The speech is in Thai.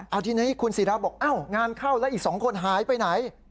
เอาทีนี้คุณศิราบอกอ้าวงานเข้าแล้วอีก๒คนหายไปไหน